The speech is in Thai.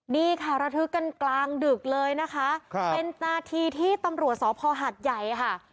นี่ค่ะระทึกกันกลางดึกเลยนะคะครับเป็นนาทีที่ตำรวจสพหัดใหญ่ค่ะ